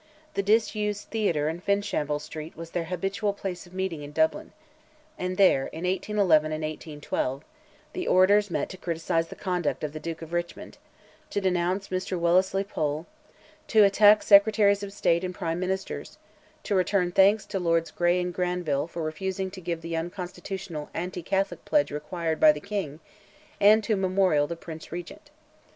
The disused theatre in Fishamble Street was their habitual place of meeting in Dublin, and there, in 1811 and 1812, the orators met to criticise the conduct of the Duke of Richmond—to denounce Mr. Wellesley Pole—to attack Secretaries of State and Prime Ministers—to return thanks to Lords Grey and Grenville for refusing to give the unconstitutional anti Catholic pledge required by the King, and to memorial the Prince Regent.